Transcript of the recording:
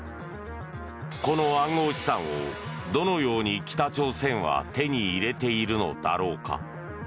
この暗号資産をどのように北朝鮮は手に入れているのだろうか。